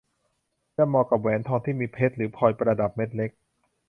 จะเหมาะกับแหวนทองที่มีเพชรหรือพลอยประดับเม็ดเล็ก